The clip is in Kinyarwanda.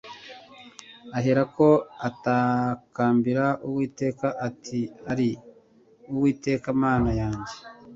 Aherako atakambira Uwiteka ati Ayii Uwiteka Mana yanjye